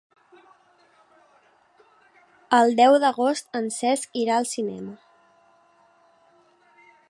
El deu d'agost en Cesc irà al cinema.